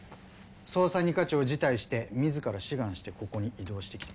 捜査二課長を辞退して自ら志願してここに異動してきた。